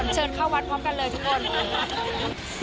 เชิญเข้าวัดพร้อมกันเลยทุกคน